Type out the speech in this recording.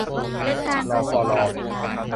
ลอ ฬอ รอ